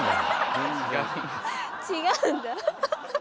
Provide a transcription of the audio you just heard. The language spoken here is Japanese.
違うんだ。